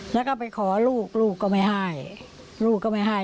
แล้วก็ไปขอลูกลูกก็ไม่ให้